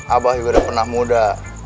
abah juga udah pernah muda